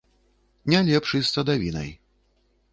Не лепш і з садавінай.